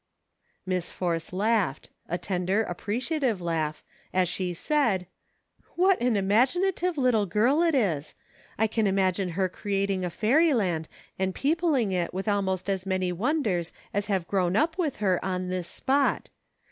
" Miss Force laughed, a tender, appreciative laugh, as she said :" What an imaginative little girl it is ! I can imagine her creating a fairyland and peopling it with almost as many wonders as have grown up with her on this spot.